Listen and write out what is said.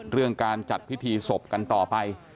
เรื่องการจัดพิธีศพกันต่อไป